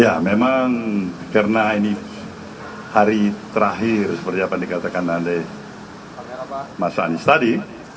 ya memang karena ini hari terakhir seperti apa yang dikatakan oleh mas anies tadi